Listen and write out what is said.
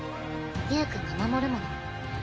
ゆーくんが守るもの。